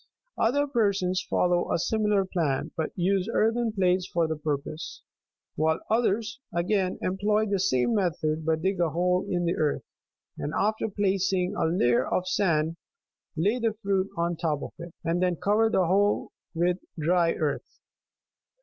Other persons follow a similar plan, but use earthen plates for the purpose ; while others, again, employ the same method, but dig a hole in the earth, and after placing a layer of sand, lay the fruit on top of it, and then cover the whole with dry earth.